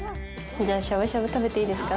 じゃあしゃぶしゃぶ食べていいですか？